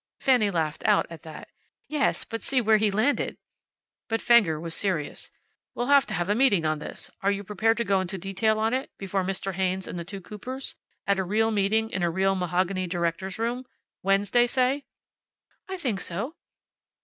Fanny laughed out at that. "Yes, but see where he landed!" But Fenger was serious. "We'll have to have a meeting on this. Are you prepared to go into detail on it, before Mr. Haynes and the two Coopers, at a real meeting in a real mahogany directors' room? Wednesday, say?" "I think so."